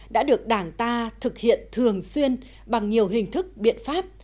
đã được đảng ta thực hiện thường xuyên bằng nhiều hình thức biện pháp